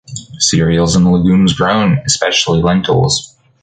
Cereals and legumes grown, especially lentils.